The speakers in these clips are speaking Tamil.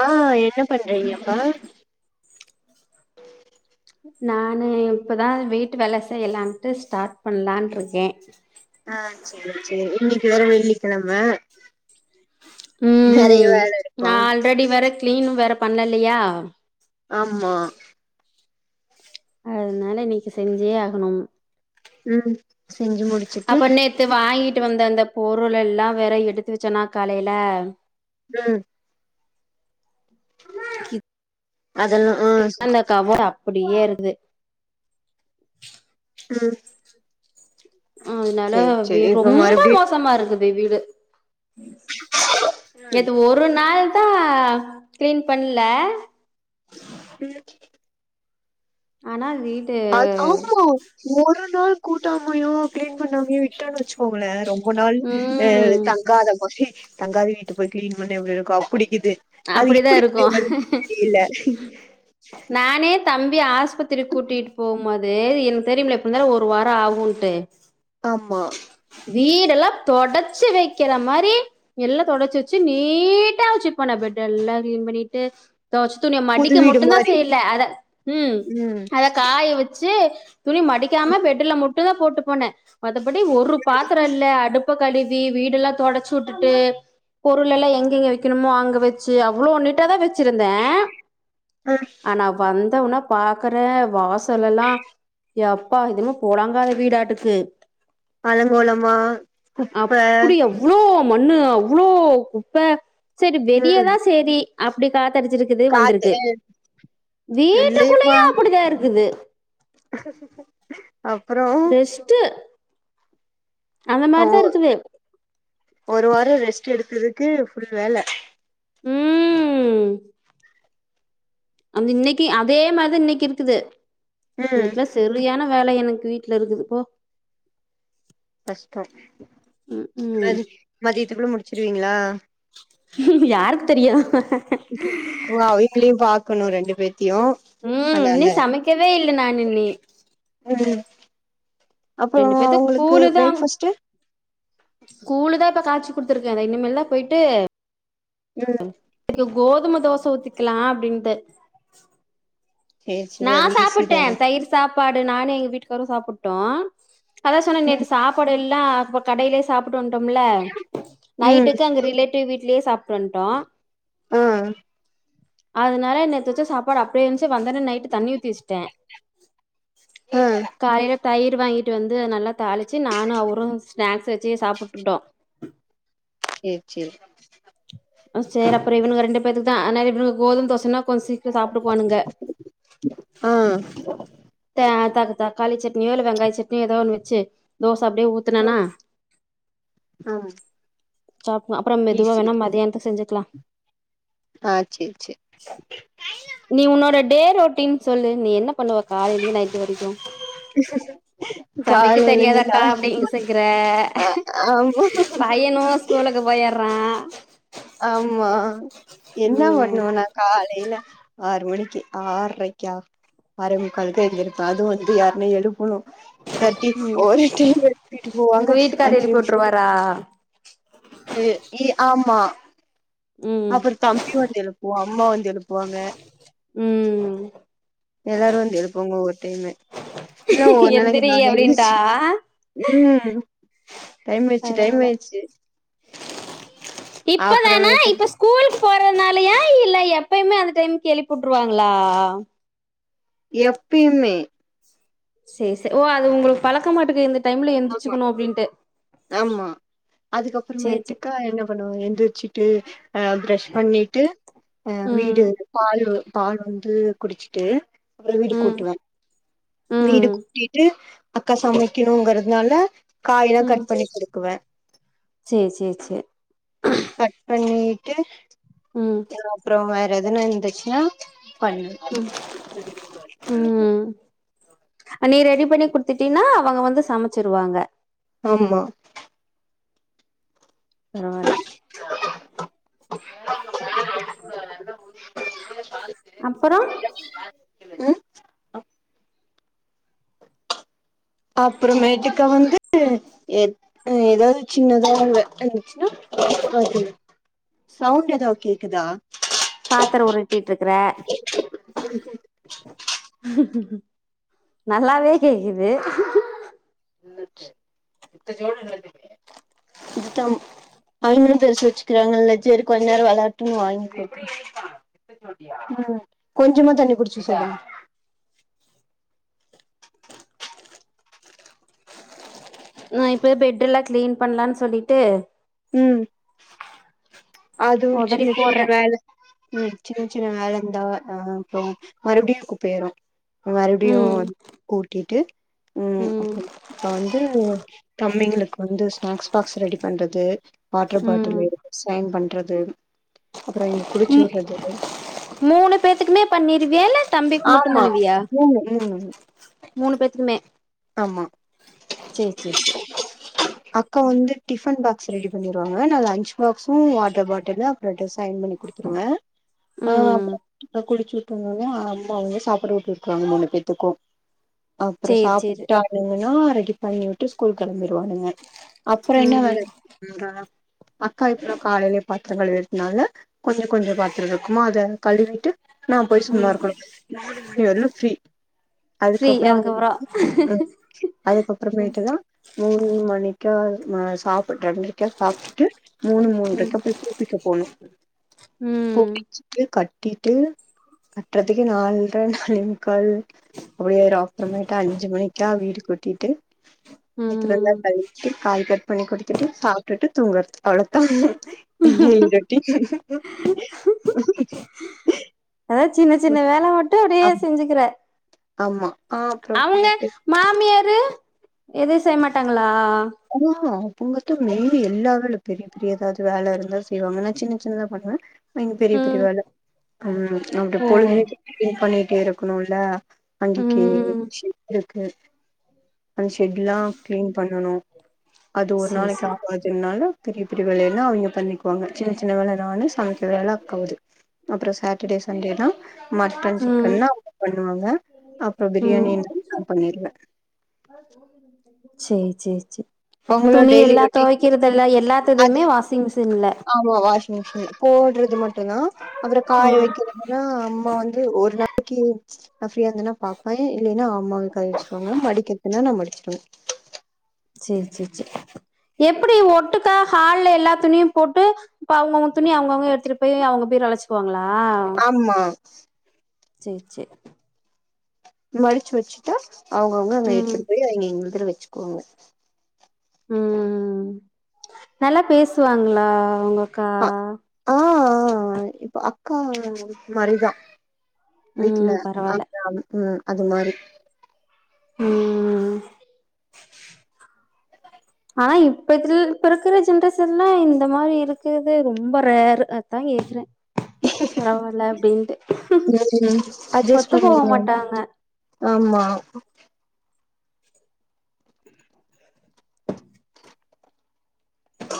ஆ என்ன பண்றீங்கப்பா நானு இப்பதா வீட்டு வேல செய்யலாண்டு ஸ்டார்ட் பண்ணலாண்டுருக்கே ஆ சேரி செரி இன்னைக்கு வேற வெள்ளிக்கெழம ம் வேல நா இருக்கு ஆல்ரெடி வேற கிளீனும் வேற பண்ணலியா ஆமா அதுனால இன்னைக்கு செஞ்சே ஆகணும் ம் செஞ்சு முடிச்சுட்டு செர் வாங்கிட்டு வந்த அந்த பொருள் எல்லா வேற எடுத்து வச்சேன்னா காலைல ம் கி அதல்லா அந்த கவர் அப்டியே இருக்து ம் அதனால சேரி வி சேரி இப்ப ரொம்ப மறுபடியு மோசமா இருக்குது வீடு நேத்து ஒரு நாள் தா கிளீன் பண்ல ம் ஆனா வீட் அது ஆமா ஒரு நாள் கூட்டாமயோ கிளீன் பண்ணாமயோ விட்டன்னு வச்சுக்கோங்களே ரொம் ஒரு நாள் ஆ ம் தங்காத மாரி தங்காத வீட்ட போய் கிளீன் பண்ணா எப்டி இருக்கு அப்டி கிது அது அப்படிதா எப்டி இப்டி இருக்கு வரும்னு தெரில நானே தம்பி ஆஸ்பத்திரி கூட்டிட்டு போம்போது எனக்கு தெரியும்ல எப்டிந்தாலு ஒரு வாரோ ஆகுண்ட்டு ஆமா வீடெல்லா தொடச்சு வைக்கிற மாரி எல்லா தொடச்சு வச்சு நீட்டா வச்சுப் போ நா பெட்டெல்லா கிளீன் பண்ணிட்டு தொவச்ச துணியை புது மடிக்க வீடு மட்டுதா மாரி செய்யல அத ம் அத காய வெச்சு துணி மடிக்காம ம் பெட்டுல மட்டு தா போட்டு போனே மத்தபடி ஒரு பாத்தரே இல்ல அடுப்ப கழுவி வீடல்லா தொடச்சு உட்டுட்டு பொருளெல்லா எங்கே வைக்கணுமோ அங்க வச்சு அவ்ளோ நீட்ட தா வச்சிருந்தே ம் ஆனா வந்தோன பாக்கரே வாசலெல்லா ஏப்பா இதுன்னுமோ பொலங்காத வீடாட்டுக்கு அலங்கோலமா குப்ப அப்டி அவ்ளோ மண்ணு அவ்ளோ குப்ப சேரி வெளிய ம் தா சேரி அப்டி காத்தடிச்சிருக்கு குது காத்து வந்துருக்கு அ வீட்டுக்குள்ளயு அப்படித்தா இருக்குது அப்பறோ ரெஸ்ட் அந்த ஒ மாரி தா [unintelligible] ஒரு வாரோ ரெஸ்ட் எடுத்ததுக்கு ஃபுல் வேல ம் அந்த இன்னைக்கி அதே மாரிதா இன்னைக்கி இருக்குது ம் நெக்லஸ் செரியான வேல எனக்கு வீட்ல இருக்குது போ கஷ்டோ ம் ம் மதி மதியத்துக்குள்ள முடிச்சிடுவீங்களா யாருக்கு தெரியு ஓ வீட்லயு பாக்கணு ரெண்டு பேத்தையு ம் அதனால இன்னு சமைக்கவே இல்ல நா நின்னி ம் அப்பறோ ரெண்டு பேத்துக்கு அவுங்களுக்கு கூழுதா பிரேக்ஃபாஸ்ட்டு கூழு தா இப்ப காச்சி குடுத்துருக்கே இத இனிமேல் தா போய்ட்டு ம் இதுக்கு கோதும தோச ஊத்திக்கலா அப்டின்ட்டு சேரி சேரி நா அது ஈஸி சாப்புட்டே தான தயிர் சாப்பாடு நானு எங்க வீட்டுக்காரு சாப்புட்டோ அதா சொன்ன ம் நேத்து சாப்பாடு எல்லா ஹாஸ்ப கடைலயே சாப்புட்டு வந்ட்டோம்ல ம் நைட்டுக்கு அங்க ரிலேட்டிவ் வீட்லேயே சாப்புட்டு வந்ட்டோ ஆ அதனால நேத்து வச்ச சாப்பாடு அப்டியே இருந்ச்சு வந்தோன நைட்டு தண்ணி ஊத்தி வச்ட்டே ஆ காலையில தயிர் வாங்கிட்டு வந்து நல்லா தாளிச்சு நானு அவரு ஸ்நாக்ஸ் வச்சே சாப்புட்டுட்டோ சேரி சேரி ம் சேரி அப்புறோ இவனுக்கு ரெண்டு பேத்துக்குத் தா இவனுக்கு கோதும்ம தோசன்னா கொஞ்சே சீக்கிரோ சாப்பிட்டு பானுங்க ஆ த தக்கு தா தக்காளி சட்னியோ இல்ல வெங்காய் சட்னியோ ஏதோ ஒன்னு வச்சி தோச அப்டியே ஊத் ம் ஆ சாப்புற அப்புறோ மெதுவா வேணா மத்தியானத்துக் செஞ்சி வெக்கலா ஆ சேர் சேரி நீ உன்னோட டே ரொட்டீன் சொல்லு நீ என்ன பண்ணுவ காலையிலு நைட்டு வரைக்கு நீ சொன்து சமைக்க காலைலருந்து தெரியாதக்கா நானு அப்டிங்கிற [inaudible] அ ஆமா ஸ்கூல்க்கு போய்ட்றா ஆமா என்ன ம் பண்ணுவனா காலையில ஆறு மணிக்கி ஆற்ரைக்கா ஆறே முக்காலுக்கே எந்திருப்பே அதுவு வந்து யாருனா எழுப்பணு தட்டி ம் ஆ ஒரு டைம் எழுப்பிட்டு போவாங்க உங்க வீட்டுக்காரு அஞ்சு எழுப்பி நிம்ஷ விட்ருவாரா ம் இ ஆமா ம் அப்பற தம்பி வந்து எழுப்புவா அம்மா வந்து எழுப்புவாங்க ம் எல்லாரு வந்து எழுப்புவாங்க ஒரு டைமு இன்ன ஒரு நாளைக்கு எந்திரி நானே அப்டின்ட்டா எந்திருந்துச்சு ம் டைம் ஆய்ர்ச்சு பரவால்ல டைம் ஆய்ர்ச்சு இப்போதானா அப்புறமேட்டுக்கு இப்பஸ் ஸ்கூல் போறதுனாலயா இல்ல எப்பயுமே அந்த டைம் எழிப்புட்டுருவாங்ளா எப்பயுமே சேரி சேரி ஓ அது உங்களுக்கு பழக்கமாட்டுக்கு இருந்துருக் ஆமா ஆமா சேரி சேரி அதுக்கப்பறமேட்டுக்கா என்னப் பண்ணுவே எந்திருச்சுட்டு அ ஃப்ரெஷ் பண்ணிட்டு அ வீடு ம் பாலு பால் வந்து குடிச்சிட்டு அப்பற வீடு ம் கூட்டுவே வீடு ம் கூட்டிட்டு அக்கா சமைக்கணுங்கறதுனால காயெல்லா ம் கட் பண்ணி குடுக்குவே சேரி சேரி சேர் கட் பண்ணிட்டு ம் ம் அப்றோ வேற எதுனா இருந்துச்சுனா பண்ணு ம் ம் ம் நீ ரெடி பண்ணி குடுத்துட்டீனா அவங்க வந்து சமைச்சிருவாங்க ஆமா பரவால்ல [inaudible] அப்பறோ ம் அ அப்பறமேட்டுக்கா வந்து இப் அ எதாவ்து சின்னதா அங்க இருந்துச்சுனா பாத்துருவ சவுண்ட் எதாவ் கேக்குதா பாத்தர உருட்டிட்ருக்குற நல்லாவே கேக்குது இத்த கோடு ன் அவ்ங்களு தெரிச்சு வெச்சுக்கிறாங்கல்ல சேரி கொஞ்ச நேர வெளாட்டுன்னு வாங்கிட்ருக்கே உம் கொஞ்சமா தண்ணி புடிச்சு சார் நா இப்பே பெட்டெல்லா கிளீன் பண்லான் சொல்லிட்டு ம் அதுவு ஒதறி சின்ன சின்ன போட்றே வேல ம் சின்ன சின்ன வேல இருந்தா அ அப்றோ மறுபடியு குப்பை ஆயிரு ம் மறுபடியு ம் கூட்டிட்டு ம் அப்றம் இப்ப வந்து தம்பிங்களுக்கு வந்து ஸ்நாக்ஸ் பாக்ஸ் ரெடி பண்றது வாட்டர் ம் பாட்டிலு அயன் பண்றது அப்பறோ இவங்கள குளிச்சு ம் உட்றது மூணு பேத்துக்கு மே பண்ணிருவியா இல்ல தம்பிக்கு மட்டு ஆமா பண்ணுவியா மூணு மூணு மூணு பேத்துக்குமே ஆமா சேரி சேரி சேரி அக் கா வந்து டிஃபன் பாக்ஸ் ரெடி பண்ணிருவாங்க நா லன்ச் பாக்ஸூ வாட்டர் பாட்டிலு நா டிசைன் பண்ணி குடுத்துருவ அவ ம் அப்றோ குளிச் [unintelligible] அம்மா அவுங்க சாப்பாடு ஊட்டி உட்ருவாங்க மூணு பேத்துக்கு அப்றோ சேரி சாப் சேரி பாத்தீங்கன்னா ரெடி பண்ணி உட்டு ஸ்கூல் கெளம்பிடுவானுங்க அப்பறோ என்ன வேல ம் இரு அக்கா இப்ப தா காலையில பாத்தரங்கள் வெளக்னால கொஞ்ச கொஞ்ச பாத்தரம் இருக்குமா அத கழுவிட்டு நா போய் சும்மா ம் இருக்கணு நாலு மணி வரைலு ஃப்ரீ ஃப்ரீ அதுக்கப்ற அவ்ங்க அதுக்கப்புறோ வந்து அதுக்கப்பறமேட்டு தா மூணு மணிக்கா நா சாப் ரெண்ரைக்கா சாப்ட்டுட்டு மூணு மூண்ரைக்கா போய் கூப்பிக்க போணு ம் த்த கட்டிட்டு கட்றதுக்கே நால்ர நா [unintelligible] அப்டே ஒரு [unintelligible] த வீடு கூட்டிட்டு பாத்தரோ ம் எல்லாம் கழுவிட்டு காய் பண்ணி குடுத்துட்டு சாப்ட்டுட்டு தூங்கறது அவ்ள தா இங்க எங்க டீச்சரு அதா சின்ன சின்ன வேல மட்டு அப்டே ஆம் செஞ்சுக்கற ஆமா அஹ் அப்பறமேட்டு மாமியாரு எது செய்ய மாட்டாங்களா ஆ [unintelligible] மே எல்லா வேலை பெரிய பெரிய எதாவது வேல இருந்தா செய்வாங்க நா சின்ன சின்னதா பண்ணுவே எங்க பெரிய பெரிய ம் வேல ம் அப்டி ஓ பொழுதனைக்கு க்ளீன் பண்ணிட்டே இருக்கணுல அங்கிக்கு ம் இருக்கு அந்த ஷெட் லா கிளீன் பண்ணனு அது ஒரு சேரி நாளைக்கு சேரி ஆவாது னால பெரிய பெரிய வேலையல்லா அவிங்க பண்ணிக்குவாங்க சின்ன சின்ன வேல நானு சமைக்கற வேல அக்காது அப்றோ சேட்டர்டே சண்டேனா மட்டன் ம் சிக்கன்னா அவுங்க பண்ணுவாங்க அப்ப பிரியாணின்னா நா பண்ணிருவே செரி செரி செரி உங்களோட துணி டெய்லி எல்லா ரொட்டீன் தோக்கறதெல்லா அது எல்லாத்ததுமே வாஷிங் மிஷின்ல வாஷிங் மிஷின் போட்றது மட்டு்தா அப்பறோ காய ம் வெக்கிறதுனா அம்மா வந்து ஒரு நாள் நா ஃப்ரியா இருந்தன்னா பாப்ப இல்லேன்னா அம்மாவே காய வெச்சிருவாங்க மடிக்கிறதுன்னா நா மடிச்சுருவ செரி செரி செரி எப்டி ஒட்டுக்கா ஹால்ல எல்லா துணியு போட்டு இப்ப அவுங்கவுங்க துணி அவுங்கவுங்க எடுத்துட்டு போய் அவுங்க பீரோல வச்சுக்குவாங்களா ஆமா செசெ மடிச்சு வெச்சுட்டா அவுங்கவுங்க அங்க ம் எடுத்துட்டு போய் இங்க இதுல வெச்சுக்குவாங்க ம் நல்லா பேசுவாங்களா உங்கக்கா ஆஹ ஆஹ இப்ப அக்கா மாரி வீட்ல ம் பரவால்ல அக்கா ம் அது மாரி ம் ஆனா இப்பதுல இப்ப இருக்கற ஜென்ரேஷன்லா இந்த மாரி இருக்குறது ரொம்ப ரேரு அத்தா கேக்குறே யாரோ வர்ல அப்டின்ட்டு ம் அஜ்ஜஸ் ஒத்து போக பண்ணனு மாட்டாங்க ஆமா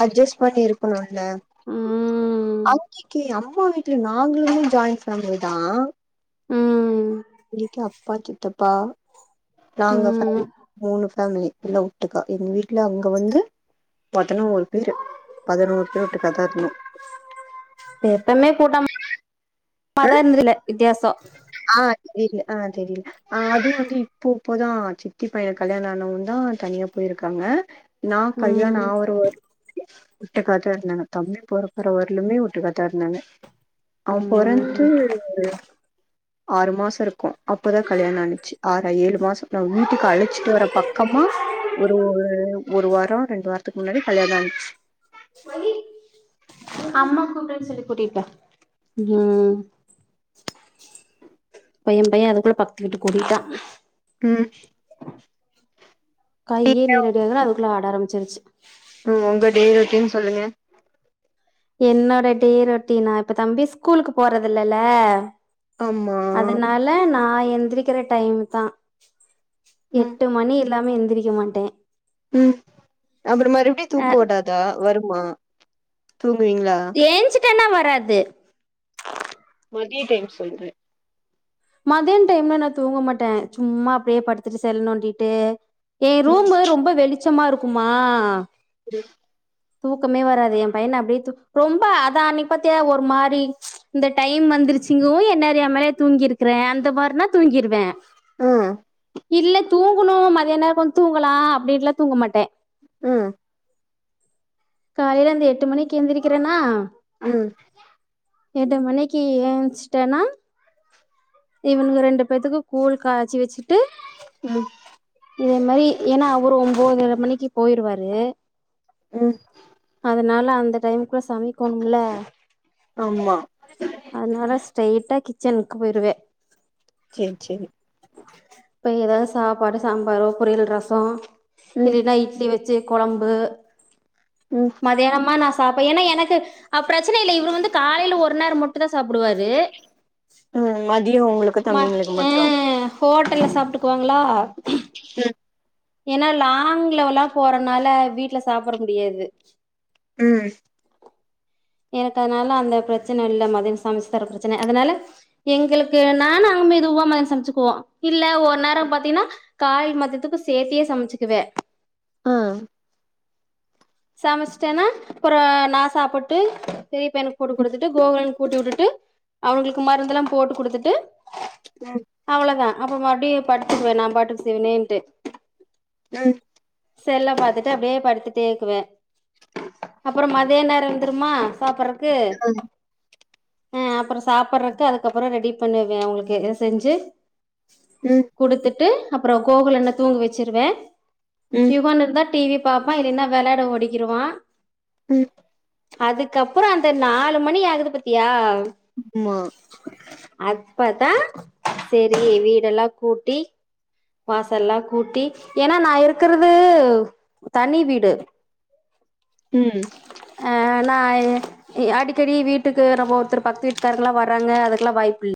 அஜ்ஜஸ் பண்ணி இருக்கணுல்ல ம் அங்கிக்கி அம்மா வீட் டு நாங்களுமே ஜாயின் ஃபேமிலி தா ம் பெரியப்பா அப்பா சித்தப்பா நாங்க ம் ஃபேமிலி மூணு ஃபேமிலி எல்லா ஒட்டுக்கா எங்க வீட்ல அங்க வந்து பதனோரு பேரு பதனோரு பேர் ஒட்டுக்காதா இருந்தோ எப்பமே கூட்ட மா இருந்தல்ல வித்தியாசோ ஆ தெரில ஆ தெரில அ அதுவு வந்து இப்போ இப்போதா சித்தி பையன் கல்யாணோ ஆணவுந்தா தனியா போயிருக்காங்க நா கல்யாணோ ம் ஆவர வரைக்கு ஒட்டுகாதா இருந்தங்க தம்பி பொறக்கற வரலயுமே ஒட்டுகாதா இருந்தங்க அவன் பொறந்து ம் ஒரு ஆறு மாசோ இருக்கு அப்பதா கல்யாணு ஆச்சு ஆறா ஏழு மாசோ வீட்டுக்கு அழைச்சிட்டு வர பக்கமா ஒரு ஒரு வாரோ ரெண்டு வாரத்துக்கு முன்னாடி கல்யாணோ ஆய்ச்சு [unintelligible] அம்மா கூப்பிட்ட சொல்லி கூட்டிட்டுவா ம்ஹ் பையன் பையன் அதுகுள்ள பக்கத்து வீட்டுக்கு ஓடிட்டான் ம் கையே நீரடி ஆகல அதுக்குள்ள ஆட ஆரம்பிச்சிருச்சு ம் உங்க டெய்லி ருட்டீன் சொல்லுங்க என்னோட டெ ரொட்டீனா இப்ப தம்பி ஸ்கூலுக்கு போறது இல்லல்ல ஆமா அதனால நா எந்திரிக்கிற டைம்தா ம் எட்டு மணி இல்லாம எந்திரிக்க மாட்டன் ம் அப்றோ மறுபடியு தூக்க அ வுடாதா வருமா தூங்குவீங்ளா ஏஞ்சிட்டன்னா வராது மதிய டைம் சொல்ற மதியோ டைம்ல நா தூங்க மாட்டன் சும்மா அப்டியே படுத்துட்டு செல் நொண்டிட்டு என் ம் ரூம்பு ரொம்ப வெளிச்சமா இருக்குமா [unintelligible] தூக்கமே வராது என் பையன அப்டியே தூ ரொம்ப அதா அன்னைக்கு பாத்தியா ஒரு மாரி ம்ச் இந்த டைம் வந்துருச்வூங்கு என்ன அறியாமலே தூங்கிரு க்கிற இந்த மாரினா தூங்கிருவ ம் இல்ல தூங்குணு மதியான நேரோ கொஞ்ச தூங்கலா அப்டின்னெல்லா தூங்கமாட்டே ம் காலைல அந்த எட்டு மணிக்கு எந்திரிக்கறேனா ம் எட்டு மணிக்கு ஏஞ்ச்சிட்டேனா இவனுங்க ரெண்டு பேத்துக்கு கூழ் காய்ச்சி வெச்சுட்டு ம் இதே மாதனரி ஏன்னா ஒரு ஒன்ம்பதரை மணிக்கு போயிருவாரு ம் நா எல்லா அந்த டைமுக்குள்ள சமைக்கோணுமல்ல ஆமா அதனால ஸ்ட்ரைய்ட்டா கிச்சனுக்கு போயிருவே சேரி சேரி போய் எதாவது சாப்பாடு, சாம்பாருஃ, பெரியல், ரசோ ம் இல்லைனா இட்லி வெச்சு கொழம்பு ம் மதியானமா நா சாப்பிடுவே ஏன்னா எனக்கு அ பிரச்சன இல்ல இவரு வந்து காலைல ஒரு நேரோ மட்டுந்தா சாப்டுவாரு ம் மதியோ உங்களுக்கு ம தம்பிங்களுக்கு அ மட்டு ஹோட்டல்ல சாப்ட்டுக்குவாங்ளா ம் ஏன்னா லாங்லல்லா போறனால வீட்ல சாப்ட முடியாது ம் எனக்கு அதனால அந்த பிரச்சன இல்ல மதியானு சமச்சு தர பிரச்சன அதனால எங்களுக்கு நானு மெதுவா மதிய சமச்சுக்குவோ இல்ல ஒரு நேரம் பாத்தீனா காய் மதித்துக்கு சேத்தே சமச்சுக்குவே ஆ சமச்டேன்னா அப்புற நா சாப்புட்டு பெரிய பயனுக்கு போட்டு குடுத்துட்டு கோகுலனுக்கு ஊட்டி விட்டுட்டு அவுனங்களுக்கு மருந்தெலா போட்டு குடுத்துட்டு ம் அவ்ளதா அப்ப மறுபடியு படுத்துக்குவே நாபாட்டுக்கு செவனேன்ட்டு ம் செல்ல பாத்துட்டு அப்டியே படுத்துட்டேக்குவ அப்புறம் மதிய நேரம் வந்துருமா சாப்ட்றதுக்கு ஆ அப்றோ சாப்பட்றக்கு அதுக்கப்றோ ரெடி பண்ணுவனஸ அவுங்ளுக்கு எது செஞ்சு ம் குடுத்துட்டு அப்றோ கோகுலன்ன தூங்க வச்சிருவே ம் ம் யுவானிருந்தா டிவி பாப்பா இல்லின்னா வெளாட ஓடிக்கிறவான் ம் அதுக்கப்றோ அந்த நாலு மணியாகுது பாத்தியா ஆமா அப்பத்தா செரி வீடெல்லா கூட்டி வாசல்லா கூட்டி ஏன்னா நா இருக்கறது தனி வீடு ம் ஆ நா அடிக்கடி வீட்டுக்கு நம்போ ஒருத்தர் பக்கத்து வீட்டு்காரெல்லா வராங்க அதுக்கல்லா வாய்ப்புயில்ல